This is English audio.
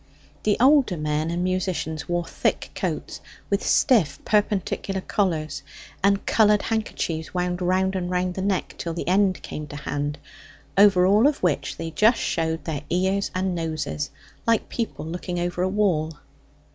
The older men and musicians wore thick coats, with stiff perpendicular collars, and coloured handkerchiefs wound round and round the neck till the end came to hand, over all which they just showed their ears and noses, like people looking over a wall.